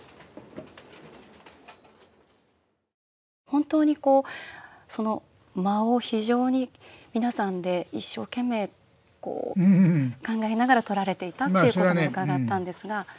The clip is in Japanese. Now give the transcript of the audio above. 本当に、間を非常に皆さんで一生懸命考えながら撮られていたっていうことも伺ったんですが。